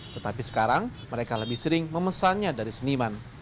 tetapi sekarang mereka lebih sering memesannya dari seniman